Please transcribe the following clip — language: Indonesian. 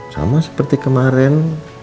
sama seperti kemarin